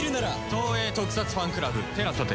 東映特撮ファンクラブＴＥＬＡＳＡで。